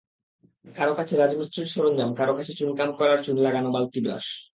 কারও কাছে রাজমিিস্ত্রর সরঞ্জাম, কারও কাছে চুনকাম করার চুন লাগানো বালতি-ব্রাশ।